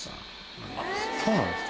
そうなんですか。